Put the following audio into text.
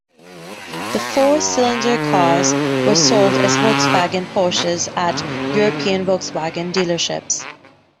The four-cylinder cars were sold as Volkswagen-Porsches at European Volkswagen dealerships.